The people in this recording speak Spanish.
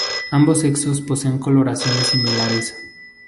Ambos sexos poseen coloraciones similares.